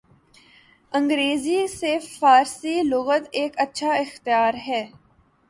انگریزی سے فارسی لغت ایک اچھا اختیار ہے